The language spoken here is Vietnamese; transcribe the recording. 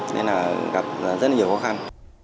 nên là gặp rất là nhiều khó khăn